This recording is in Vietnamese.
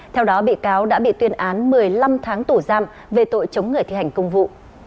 theo đó bị cáo đã bị tuyên án một mươi năm tháng tủ giam về tội chống người thi hành công vụ